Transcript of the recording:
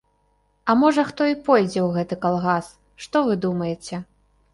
А можа, хто і пойдзе ў гэты калгас, што вы думаеце?